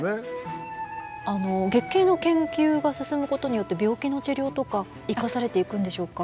あの月経の研究が進むことによって病気の治療とか生かされていくんでしょうか？